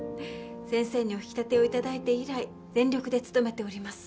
先生にお引き立てを頂いて以来全力で務めております。